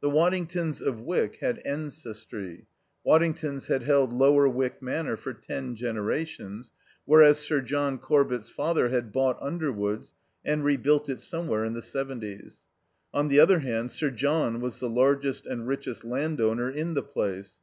The Waddingtons of Wyck had ancestry. Waddingtons had held Lower Wyck Manor for ten generations, whereas Sir John Corbett's father had bought Underwoods and rebuilt it somewhere in the 'seventies. On the other hand Sir John was the largest and richest landowner in the place.